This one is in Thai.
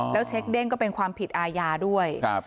แล้วเช็คเด้งก็เป็นความผิดอาญาด้วย